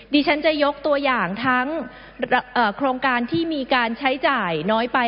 ดิฉันจะยกตัวอย่างทั้งโครงการที่มีการใช้จ่ายน้อยไป